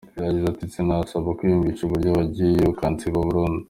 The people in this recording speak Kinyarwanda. Yagize ati: "Sinabasha kwiyumvisha uburyo wagiye ukansiba burundu.